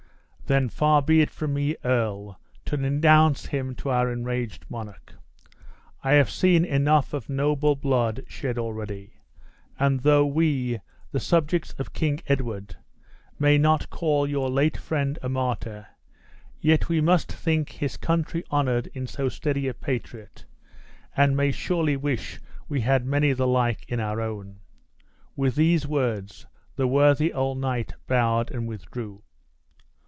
"Then far be it from me, earl, to denounce him to our enraged monarch. I have seen enough of noble blood shed already. And though we, the subjects of King Edward, may not call your late friend a martyr, yet we must think his country honored in so steady a patriot, and may surely wish we had many the like in our own!" With these words the worthy old knight bowed and withdrew.